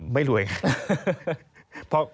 ไม่รวย